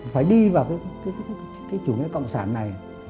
phải đi vào cái chủ nghĩa cộng sản này